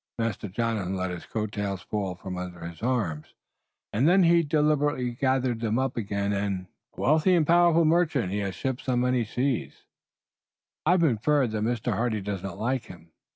Master Jonathan let his coattails fall from under his arms, and then he deliberately gathered them up again. "A wealthy and powerful merchant. He has ships on many seas." "I have inferred that Mr. Hardy does not like him."